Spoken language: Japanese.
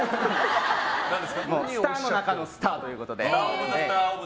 スターの中のスターということで。